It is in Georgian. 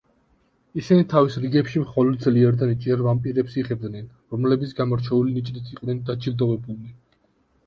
ისინი თავის რიგებში მხოლოდ ძლიერ და ნიჭიერ ვამპირებს იღებდნენ, რომლებიც გამორჩეული ნიჭით იყვნენ დაჯილდოებულნი.